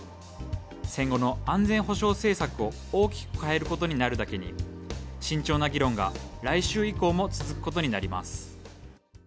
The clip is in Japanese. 戦後の安全保障政策を大きく変えることになるだけに慎重な議論が来週以降も続くことになります。